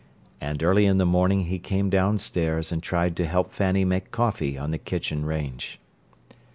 And early in the morning he came downstairs and tried to help Fanny make coffee on the kitchen range.